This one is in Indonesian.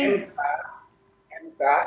terima kasih prof jimliar sidiki